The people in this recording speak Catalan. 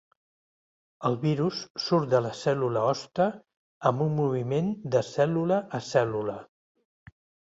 El virus surt de la cèl·lula hoste amb un moviment de cèl·lula a cèl·lula.